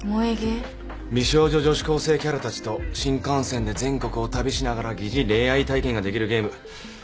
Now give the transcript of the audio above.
美少女女子高生キャラたちと新幹線で全国を旅しながら疑似恋愛体験ができるゲーム。